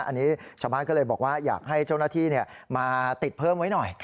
อันนี้ชาวบ้านก็เลยบอกว่าอยากให้เจ้าหน้าที่มาติดเพิ่มไว้หน่อย